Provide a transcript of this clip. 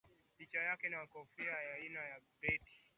Picha yake na kofia aina ya Beret aliyopenda kuivaa